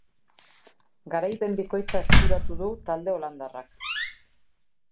Garaipen bikoitza eskuratu du talde holandarrak.